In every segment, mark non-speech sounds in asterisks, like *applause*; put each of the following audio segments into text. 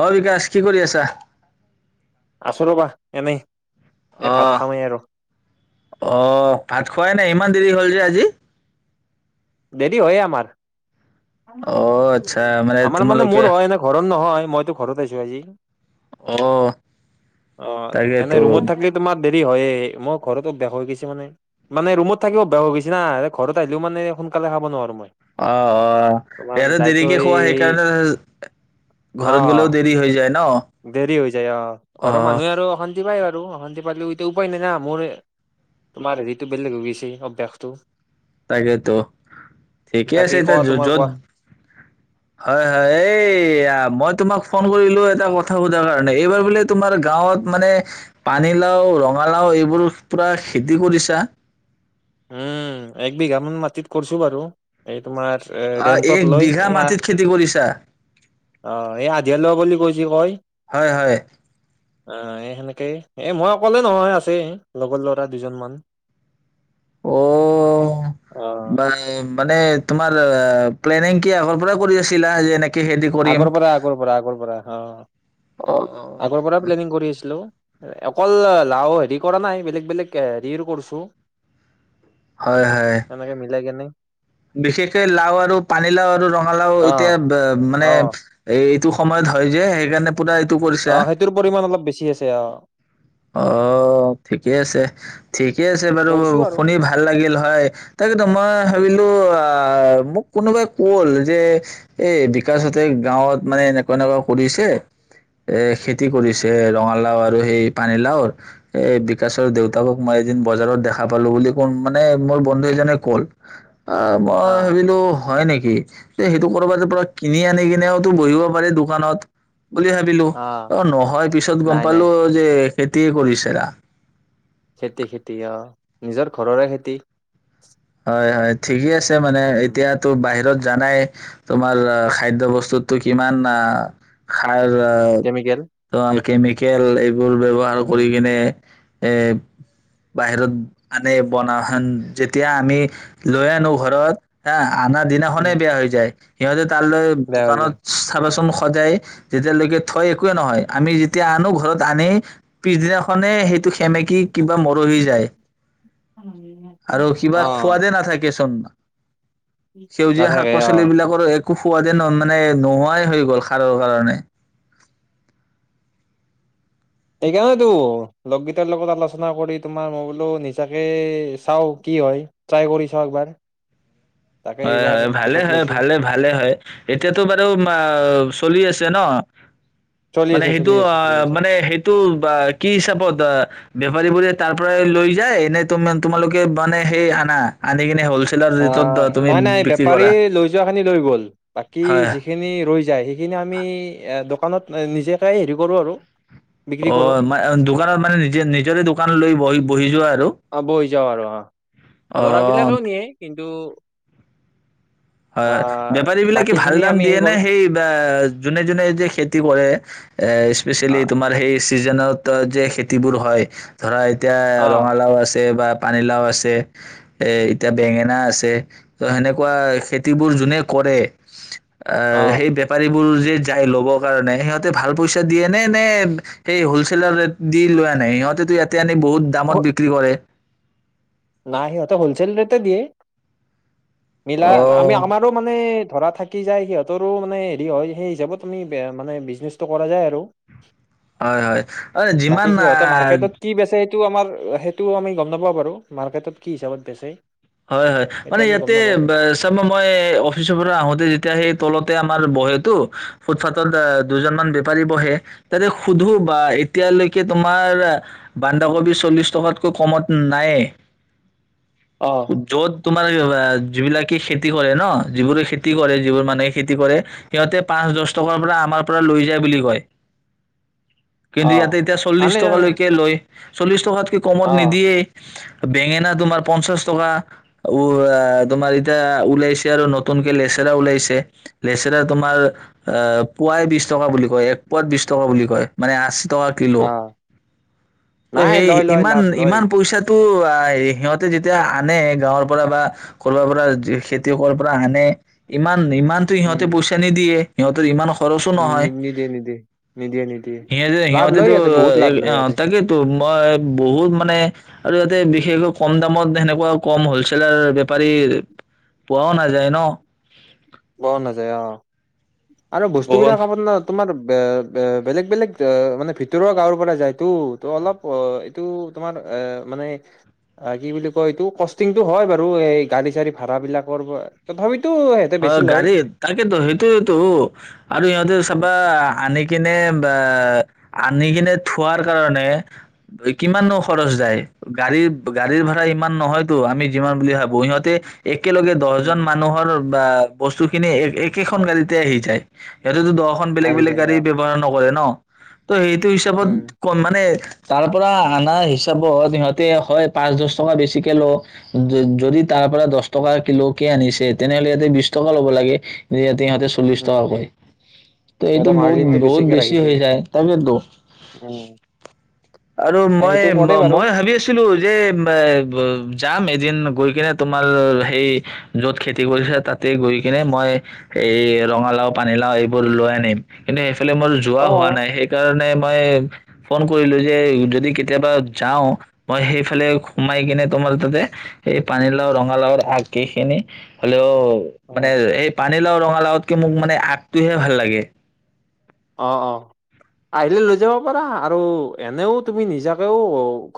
অ বিকাশ কি কৰি আছা আছো ৰবা এনেই এই অ ভাত খাওঁৱেই আৰু অ ভাত খোৱাই নাই ইমান ইমান দেৰি হ'ল যে আজি দেৰি হয়ে আমাৰ অ আচ্ছা আমাৰ মানে তোমালোকে মোৰ হয় এনে ঘৰত নহয় মইতো ঘৰত আছো আজি অ অ এনে তাকেতো ৰুমত থাকিলে তোমাৰ দেৰি হয়য়ে মই ঘৰত অভ্যাস হৈ গৈছ মানে মানে ৰুমত থাকি অভ্যাস হৈ গৈছে না ঘৰত আহিলও মানে অকলে খাব নোৱাৰো মই অ অ তোমাৰ ইয়াতে যাই দেৰিকে থৈ খোৱা সেইকাৰণে অ ঘৰত গলেও দেৰি হৈ যায় ন দেৰি হৈ যায় অ অ ঘৰৰ মানুহে আৰু অশান্তি পাই বু অশান্তি পালেও উপায় নাই না মোৰ তোমাৰ হেৰিতটো বেলেগ হৈ গৈছে অভ্যাসটো তাকেতো ঠিকে বাকী আছে এতিয়া কোৱা য তোমাৰ যত কোৱা হয় হয় এই মই তোমাক ফোন কৰিলো এটা কথা সোধাৰ কাৰণে এইবাৰ বোলে তোমাৰ গাঁৱত মানে পানীলাও ৰঙালাও এইবোৰ পুৰা খেতি কৰিছা উম এক বিঘা মান মাটিত কৰিছো বাৰু এই তোমাৰ আহ এক ৰেটত লৈ বিঘা মাটিত খেতি কৰিছা এ অ দেল বুলি কৈছে কয় হয় হয় অ এই সেনেকেই এ মই অকলে নহয় আছেই লগৰ ল'ৰা দুজন মান অ অ বা মানে তুম মাৰ প্লেনিং কি আগৰ পৰা কৰি আছিলা যে এ আগৰ পৰা আগৰ পৰা আগৰ পৰা অ অ', অ', আগৰ পৰা প্লেনিং কৰি আছলো। অকল লাও হেৰি কৰা নাই বেলেগ বেলেগ হেৰি কৰছো। হয়, হয়, এনেকে মিলাই কেনে। বিশেষকে লাও আৰু পানীলাও আৰু ৰঙালাও অ এতিয়া বে মানে অ এই টো সময়ত হয় যে, সেইকাৰণে? পুৰা এইটো কৰিছা অ, সেইটোৰ পৰিমাণ অলপ বেছি আছে, অ অ', ঠিকেই আছে, ঠিকে আছে বাৰু। কৰিছো আৰু শুনি ভাল লাগিল হয়, তাকেতো মই ভাবিলোঁ টো, আ, মোক কোনোবাই কল যে, এই বিকাশহঁতে গাঁৱত মানে এনেকুৱা এনেকুৱা সুধিছে, এ খেতি কৰিছে, ৰঙালাউ আৰু হেই পানী লাও, এ বিকাশৰ দেউতাকক মই এদিন বজাৰত দেখা পালোঁ বুলি, *unintelligible* কোন মানে মোৰ বন্ধু এজনে ক'ল। অ', মই ভাবিলো হয় নেক কি? সেইটো কৰবাৰে পৰা কিনি আনি কিনেওতো বহিব পাৰি দোকানত। বুলি ভাবিলোঁ, অ', নহয় পিছত গম নাই নাই পালোঁ যে খেতিয়ে কৰিছেৰা। খেতি খেতি, অ', নিজৰ ঘৰৰে খেতি। হয়, হয়, ঠিকে আছ মানে উম এতিয়াটো বাহিৰত। জানাই, তোমাৰ খাদ্য বস্তুতটো কিমান আ, খা কেমিকেল *unintelligible* কেমিকেল এই এইবোৰ ব্যৱহাৰ উম কৰি কিনে এ বাহিৰত আনে বনা খন যে এতিয়া আমি লৈ আনো ঘৰত হা আনা দিনাখনে উম বেয়া হৈ যায়। সিহঁতে তালৈ বেয়া হৈ দোকানত যায় চাবাচোন সো সজাই যেতিয়ালৈকে থৈ একোৱে নহয়, আমি যেতিয়া আনো ঘৰত আনি পিছদিনাখনে সে আৰু *unintelligible* কিবা খোৱাদে নাথাকে *unintelligible* সেউজীয়া শাক নাথাকে অ পাচলি বিলাকৰো এক খুব সোৱাদে ন মানে নোহোৱাই হৈ গ'ল সাৰৰ কাৰণে। সেইকাৰণেতো লগগীতৰ লগত আলোচনা কৰি, তোমাক মই বোলো, নিজাকে চাওঁ, কি হয়, ট্ৰাই কৰি চাওঁএকবাৰ। হয় হয় ভালে হয় ভালে ভালে হয় এতিয়াতো বাৰু‌ আ চলি আছে ন চলি মানে আছে সেইটো চলি আছে চলি অঁ আছে মানে সেইটো বা কি হিচাপত অঁ বেপাৰীবোৰে তাৰ পৰাই লৈ যায় নে তোমা তোমালোকে মানে সেই আনা আনি কিনে হ'ল আহ *unintelligible* নাই নাই বেপাৰী লৈ যোৱা খিনি লৈ গ'ল বাকী হয় যিখিনি ৰৈ যায় সে *unintelligible* আমি দোকানত নিজাকে হেৰি কৰো আৰু বিক্ৰী কৰো অঁ ম দোকানত মানে নিজে নিজৰে দোকান লৈ বহি বহি যোৱা আৰু অঁ বহী যাওঁ আৰু অঁ লৰা অ বিলাকেও নিয়ে কিন্তু হয় আহ বেপাৰী বিলাকে বাকী ভাল খিনি দাম আমি দিয়ে নে কৰো সেই বা যোনে যোনে যে খেতি কৰে এ অ স্পেচিয়েলি তোমাৰ সেই ছিজনত যে খেতিবোৰ হয় ধৰা এতিয়া অ ৰঙালাও আছে বা পানীলাও আছে এ এতিয়া বেঙেনা আছে ত সেনেকুৱা খেতি খেতিবোৰ যোনে কৰে অঁ অ সেই বেপাৰীবোৰ যি যাই ল'বৰ কাৰণে সিহঁতে ভাল পইচা দিয়ে নে নে সেই হলচেলৰ ৰেট দি লোৱা নাই সিহঁতো ইয়াতে আনি *unintelligible* বহুত দামত বিক্ৰী কৰে নাই সিহঁতে হলছেল ৰেটে দিয়ে অ মিলাম আমি আমাৰো মানে ধৰা থাকি যায় সিহঁতৰো মানে হেৰি হয় সেই হিচাপত আমি মানে বিজনেছটো কৰা যায় আৰু হয় হয় *unintelligible* বাকী যিমান সিহঁতে আহ মাৰ্কেটত কি বেচে সেইটো আমাৰ সেইটো আমি গম নাপাও বাৰু মাৰ্কেটত কি হিচাপত বেচে হয় হয় সেইটো মানে আমি গম ইয়াতে নাপাওঁ চাব মই অফিচৰ পৰা আহোতে যেতিয়া সেই তলতে *unintelligible* বহেতু ফুটপাথত আ দুজনমান বেপাৰী বহে তাতে সুধো বা এতিয়ালৈকে তোমাৰ বন্ধাকবি চল্লিছ টকাতকৈ কমত নায়ে অ য'ত *unintelligible* *unintelligible* যিবিলাকে খেতি কৰে ন যিবোৰে খেতি কৰে যিবোৰ মানুহে খেতি কৰে সিহঁতে পাঁচ দছ টকাৰ পৰা আমাৰ পৰা লৈ যায় বুলি কয় কিন্তু অ ইয়াতে এতিয়া চল্লিছ আনে জানে টকালৈকে লয় চল্লিছ টকাত *unintelligible* কমত অ নিদিয়ে বেঙেনা তোমাৰ পঞ্চাশ টকা। ঔ আ তোমাৰ এতিয়া উলাইছে আৰু নতুনকে লেচৰা ওলেইছে, লেচৰা তোমাৰ অ পোয়াই বিশ টকা বুলি এক পোয়াত বিশ টকা বুলি কয়, মানে আশি কিলো অ অ নাই সেই লয় লয় লাভ লয় ইমান-ইমান পইচাত ও আই সিহঁতে যেতিয়া আনে গাঁৱৰ পৰা বা *unintelligible* পৰা যি খেতিয়কৰ পৰা আনে ইমান *unintelligible* ইমানটো সিহঁতে উম পইচা নিদিয়ে। সিহঁতৰ ইমান খৰচো উম নহয়। নিদিয়ে নিদিয়ে নিদিয়ে নিদিয়ে সিহঁতে লাভ লয় সিহঁতেতো ইয়াতে বহুত লাভ লয় ইয়াতে *unintelligible* তাকেইতো মই বহুত মানে আৰু সিহঁতে বিশেষকৈ কম দামত সেনেকোৱাও কম হ'লচেলাৰৰ বেপাৰী, পোৱাও নাযায় ন'। পোৱাও নাযায় অ'। আৰু বস্তু বহুত বিলাক *unintelligible* তোমাৰ আ, আ, বেলেগ বেলেগ, মানে ভিতৰুৱা গাঁৱৰ পৰা যায়তো, ত অলপ এইটো তোমাৰ এ, মানে কি বুলি কয় এইটো কষ্টিংটো হয় বাৰু এই গাৰি চাৰি ভাড়াবিলাকৰ, তথাপি *unintelligible* সিহঁতে হয় গাড়ীত, তাকেটো সেইটোয়েটো আৰু সিহঁতে উম চাবা আনেক *unintelligible* বা আনি কিনে থোৱাৰ কাৰণে কিমাননো খৰচ যায়, গাড়ীৰ, গাড়ীৰ ভাড়া ইমান নহয়তো আমি যিমান বুলি ভাবো, সিহঁতে এ একেলগে দহজন উম, মানুহৰ বা বস্তু খিনি এক, একেখন গাড়ীতে আহি যায়। *unintelligible* দহখন বেলেগ আহি বেলেগ যায় গাড়ী অ ব্যৱহাৰ নকৰে ন। *inaudible* ত' সেইটো হিচাপত উম *unintelligible* মানে তাৰ পৰা আহা নাই হিচাপত, ইহঁতে হয় পাঁচ দচ টকা বেছিকে ল', যদি তাৰপৰা দচ টকা কিলো কে আনিছে। তেনেহ'লে ইয়াতে বিশ টকা ল'ব লাগে *unintelligible* সিহঁতে চল্লিশ টকা উম কয়, ত' এইটো সিহঁতে বহুত, মাৰ্জিনটো বহুত বেছিকে বেছি ৰাখি হৈ দিয়ে যায় তাকেটো উম আৰু এ সেইটো কৰে বাৰু মই-মই ভাবি আছিলোঁ *unintelligible* ‌ যাম এদিন, গৈ কেনে তোমাৰ সেই য'ত খেতি কৰিছে তাতে গৈ কেনে মই এই ৰঙালাউ, পানীলাউ এইবোৰ লৈ আনিম কিন্তু *unintelligible* *unintelligible* মোৰ যোৱা অ হোৱা নাই সেইকাৰণে মই ফোন কৰিলো যে, যদি কেতিয়াবা যাওঁ, মই সেইফালে সোমাই কিনে তোমাৰ তাতে হেই পানীলাউ, ৰঙালাউৰ আগ কেইখিনি হেল্লো অ মানে এই পাত পানীলাও, ৰঙালাওতকৈ মোক মানে আগটোহে ভাল লাগে। অ', অ', আহিলে লৈ যাব পাৰা আৰু এনেও তুমি নিজাকেও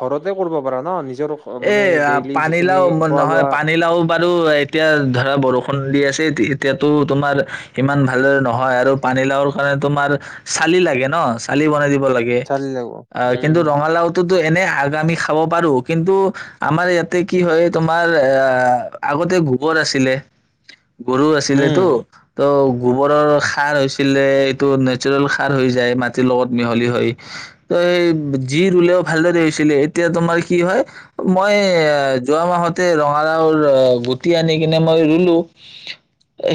ঘৰতে কৰিব পাৰা ন নিজৰ এ মানে আ, ডেইলি যিখিনি পানীলাওঁ খোৱা নহয় লোৱা পানীলাওঁ বাৰু এতিয়া ধৰা বৰষুণ সুন দি আছে এতিয়াটো তোমাৰ, ইমান ভালৰে নহয়, আৰু পানীলাওৰ কাৰনে তোমাৰ চালি লাগে ন, চালি বনাই *unintelligible* লাগে চালি লাগিব কিন্তু উম ৰঙালাওটোত টো এনে আগ, আমি খাব পাৰোঁ। কিন্তু আমাৰ ইয়াতে কি হয় তোমাৰ আহ, আগতে গোবৰ আছিলে গৰু উম আছিলেতো ত' গোবৰৰ সাৰ হৈছিলে এইটো নেচাৰেল সাৰ হৈ যায় মাটিৰ লগত মিহলি হৈ, ত' সেই যি ৰুলেও ভালদৰে হৈছিলে এতিয়া তোমাৰ কি হল, মই যোৱা মাহতে ৰঙালাওৰ গুটি আনি কিনে মই ৰুলোঁ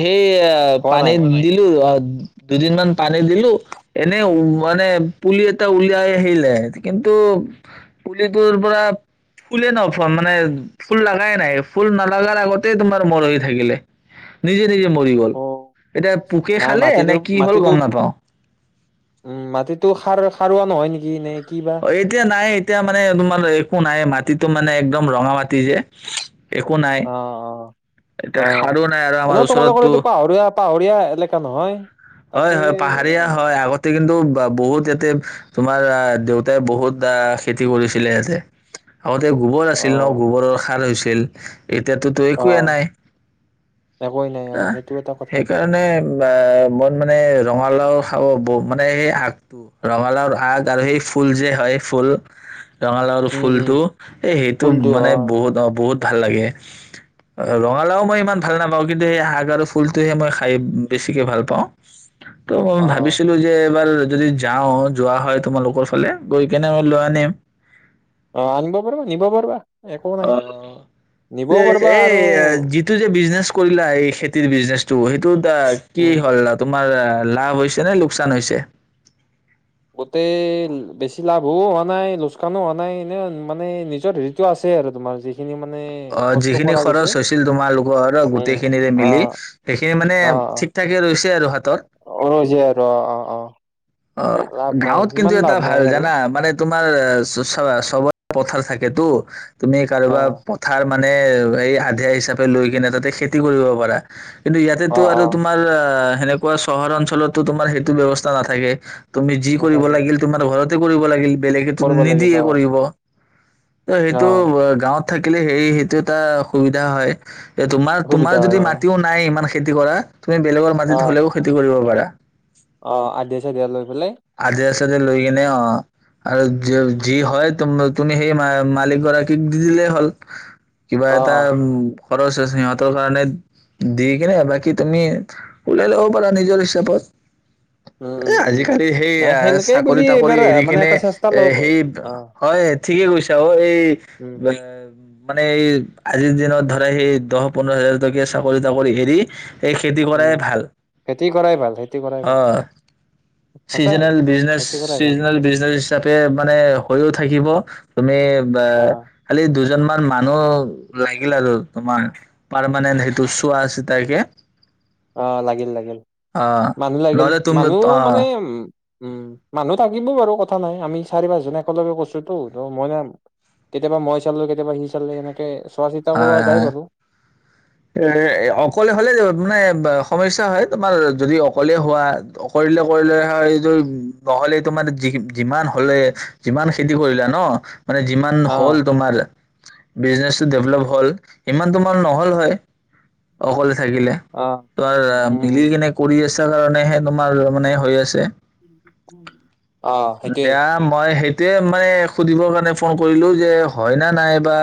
সে এই আ হোৱা পানী নাই দিলো অ'। দুদিন মান পানী দিলো এনে মানে পুলি এটা উলিয়াই আহিলে, কিন্তু পুলিটোৰ পৰা ফুলে নাই ফুলা মানে ফুল লগাই নাই, ফুল নালাগাৰ আগতে তোমাৰ মৰহি থাকিলে নিজে নিজে মৰি গ'ল, অ এতিয়া পোকে নাই খালে নে মাটিটোৰ কি হ'ল মাটিটো গম নাপাওঁ। উম, মাটিতো সাৰ সাৰুৱা নহয় নেকি এনেই অ' এতিয়া নাই এতিয়া মানে তোমাৰ একো নাই, মাটিতো মানে একদম ৰঙা মাটি যে একো নাই, অ অ অ এতিয়া সাৰো নাই আৰু আমাৰ এনেও তোমালোকৰ ওচৰতটো, এইটো পাহৰীয়া পাহৰীয়া এলেকা নহয় তাতে হয়-হয় পাহাৰীয়া হয়, আগতে কিন্তু বহুত ইয়াতে তোমাৰৰা দেউতা তে বহুবা খেতি কৰিছিলে ইয়াত যে। আগতে গোবৰ অ আছিল ন' গোবৰৰ সাৰ হৈছিল পেল এতিয়াটতু অ একোৱে নাই, একোৱেই নাই অ হা সেইটো এটা কথা সেইকাৰণে অ মই মানে ৰঙালাও খাব ব, মানে সেই আগটো ৰঙালাওৰ শাগ আৰু সেই ফুল যে হয় ফুল ৰঙালাওৰ উম উম ফুলটো, এ সেইটো ফুলটো মানে অ বহুত অ' বহুত ভাল লাগে, ৰঙালাও মই ইমান ভাল নাপাওঁ কিন্তু সেই হাগ আৰু ফুলটোহে মই খাই বেছিকে ভাল পাওঁ। ত' মই অ ভাবিছিলোঁ যে এইবাৰ যদি যাওঁ, যোৱা হয় তোমালোকৰ ফালে গৈ কেনে লৈ আনিম। অ' আনিব পাৰিবা, নিব পাৰিবা। একো নাই অ' নিবও পাৰিবা এই আৰু যিটো যে বিজনেছ কৰিলা, এই খেতিৰ বিজনেছটো সেইটোৰ কি উম হল ন তুমি তোমাৰ লাভ হৈছে নে লোকচান হৈছে? গোটেই বেছি লাভো হোৱা নাই, লোচকানো হোৱা নাই, এনে মানেই নিজৰ হেৰিতো আছে আৰু তোমাৰ যি অ' যিখিনি খৰচ হৈছিল তোমালোকৰ উম গোটেইখিনিৰে অ মিলি, সেইখিনি মানে অ ঠিক-ঠাকে ৰৈছিল অ যোৰহাটৰ অ' অ' অ'। অ' লাভ নাই গাঁৱত কিন্তু সিমান এটা লাভ নাই ভাল বাৰু জানা মানে তোমাৰ চ ', -চবত পথাৰ থাকেতো। তুমি, অ কাৰোবা পথাৰ, মানে এই আধিয়া হিচাপে লৈ, কিনে তাতে খেতি কৰিব পাৰা। কিন্তু ইয়াতেতো অ আৰু অ তোমাৰ অ', সেনেকুৱা চহৰ -অঞ্চলতো তোমাৰ সেইটো ব্যৱস্থা নাথাকে। তুমি যি', কৰিব নাথাকে লাগিল তোমাৰ ঘৰত, টো কৰিব লাগিল। বেলেগেতো কৰিব লাগিল নিদিয়ে অ কৰিব। তই অ সেইটো গাঁৱত থাকিলে হেৰী, সেইটো এটা সুবিধা হয়। তোমাৰ', - সুবিধা তোমাৰ হয় যদি অ মাটিও নাই ইমান খেতি কৰা। তুমি, বেলেগৰ অ মাটিত হলেও খেতি কৰিব পাৰা। অ', -আধিয়া -চাধিয়া লৈ, পেলাই আধিয়া-চাধিয়া লৈ। এনে অ', আৰু উম য', উম যি হয় তোম তুমি সেই মা মালিক গৰাকীক দি দিলেই হ'ল। কিবা অ এটা অ উম। খৰচ সিহঁতৰ কাৰণে দি -কিনে, বাকী তুমি ওলাই ল'ব পাৰা নিজৰ হিচাপত। উম এ উম উম আজিকা সেই- সেই নাই আঁৰ সেনেকেই চাকৰি বুলি -তাকৰি এইবাৰ এৰি মানে কিনে এটা চেষ্টা এ', লওক সেই অ হয় ', ঠিকে কৈছে অ', এই। উম মানে এই আজিৰ দিনত ধৰা সেই দহ -পোন্ধৰ হাজাৰ টকীয়া চাকৰি- তাকৰি এৰি এই খেতি উম কৰাই ভাল, খেতি কৰাই ভাল খেতি কৰাই ভাল অ', সঁচাই চিজ'নেল -, খেতি কৰাই ভাল চিজ'নেল -বিজনেচ হিচাপে মানে হৈও, থাকিব। তুমি। বা অ খালি দুজন, কেইজনমান মানুহ লাগিল আৰু তোমাৰ, পাৰমানেন্ট সেইটো চোৱা চিতাকে। অ', লাগিল- লাগিল, অ মানুহ লাগিল। নহ'লে তুমি মানুহও অ হয় মানে উম্ উম', মানুহ থাকিব বাৰু কথা নাই, আমি চাৰি পাঁচজন একেলগে কৰিছোঁতো ত', মই ন', কেতিয়াবা মই চালো, কেতিয়াবা সি- চালে এনেকে চোৱা- চিতা কৰোৱা যায় হয় বাৰু। এ', অকলে হ'লে -মানে সমস্যা হয়। তোমাৰ যদি অকলে হোৱা অকৰিলে- কৰিলে হয় যোৱা, নহ'লে ত', মানে যি -যিমান হ'লে- যিমান খেতি কৰিলা ন ', ন! মানে, যিমান অ হ'ল তোমাৰ? বিজনেচটো ডেভলপ হ'ল? ইমান তোমান নহ'ল হয়। অকল থাকিলে অ তোমাৰ উম উম মিলিকীনে কৰি আছা কাৰণেহে তোমাৰ মানে হৈ আছে। উ! উম! দিয়া মই সেই এ মানে সুধিবৰ কাৰণে ফোন কৰিলো যে হয় ন নাই বা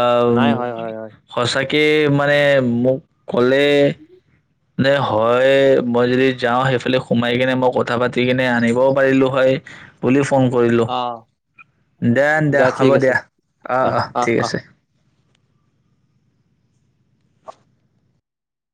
অ! নাই হয় হয় হয় সঁচাক *unintelligible* কে মানে, মোক ক'লে। নে! হয়, মই যদি যাওঁ সেইফালে সোমাই কিনে মই কথা পাতি দিকিনে আনিবও পাৰিলোঁ হয়, বুলি ফোন কৰিলোঁ অ দিয়া, দিয়া ঠিক হ'ব আছে দিয়া। অ' অহ অ' অহ অহ ঠিক আছে।